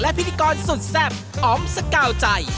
พิธีกรสุดแซ่บอ๋อมสกาวใจ